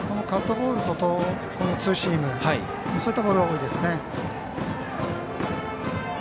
カットボールとツーシームそういったボールが多いですね。